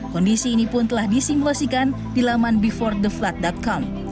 kondisi ini pun telah disimulasikan di laman beforetheflood com